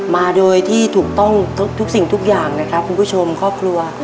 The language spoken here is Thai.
มาโดยที่ถูกต้องทุกสิ่งทุกอย่างนะครับคุณผู้ชมครอบครัว